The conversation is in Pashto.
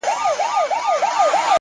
چا زر رنگونه پر جهان وپاشل چيري ولاړئ؛